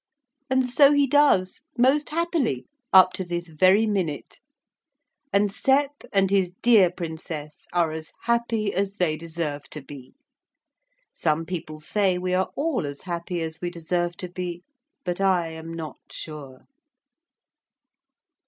And so he does, most happily, up to this very minute. And Sep and his dear Princess are as happy as they deserve to be. Some people say we are all as happy as we deserve to be but I am not sure.